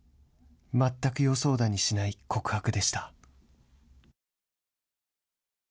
全く予想だにしない告白でした。